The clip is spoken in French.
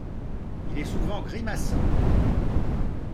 Il est souvent grimaçant.